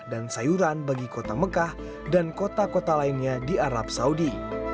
dan sayuran bagi kota mekah dan kota kota lainnya di arab saudi